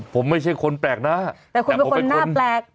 ผมไม่ใช่คนแปลกหน้าแต่คนหน้าแปลก